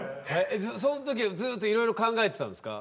その時はずっといろいろ考えてたんですか？